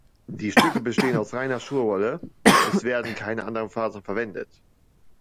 Die Stücke bestehen aus reiner Schurwolle, es werden keine anderen Fasern verwendet.